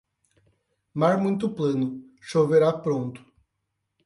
Mar muito plano, choverá pronto.